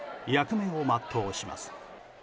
役目を全うします。